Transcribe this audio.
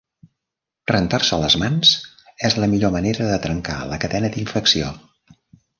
Rentar-se les mans és la millor manera de trencar la cadena d'infecció.